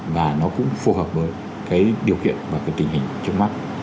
và nó cũng phù hợp với cái điều kiện và cái tình hình trước mắt